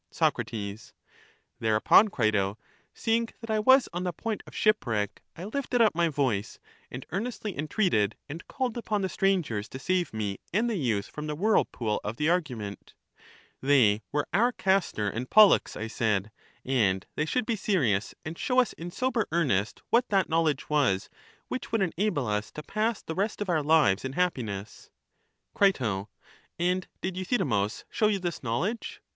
Soc, Thereupon, Crito, seeing that I was on the point of shipwreck, I lifted up my voice, and earnestly entreated and called upon the strangers to save me and the youth from the whirlpool of the argument; they were our Castor and Pollux, I said, and they should be serious, and show us in sober earnest what that knowledge was which would enable us to pass the rest of our lives in happiness. Cri. And did Euthydemus show you this knowl edge?